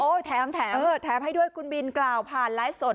แถมแถมให้ด้วยคุณบินกล่าวผ่านไลฟ์สด